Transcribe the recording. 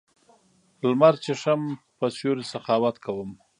لمر چېښم په سیوري سخاوت کوم